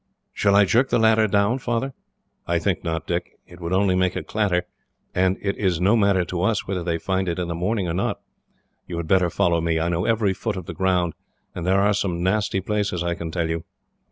"Shall I jerk the ladder down, Father?" "I think not, Dick. It would only make a clatter, and it is no matter to us whether they find it in the morning or not. You had better follow me. I know every foot of the ground, and there are some nasty places, I can tell you."